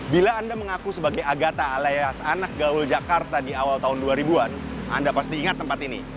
bila anda mengaku sebagai agata alias anak gaul jakarta di awal tahun dua ribu an anda pasti ingat tempat ini